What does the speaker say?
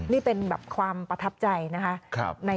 นี่เป็นแบบความประทับใจนะคะ